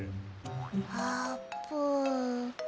あーぷん。